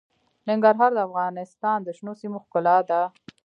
ننګرهار د افغانستان د شنو سیمو ښکلا ده.